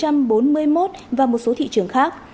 singapore là một trăm bốn mươi một và một số thị trường khác